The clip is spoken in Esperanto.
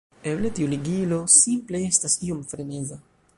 Eble tiu ligilo simple estas iom freneza"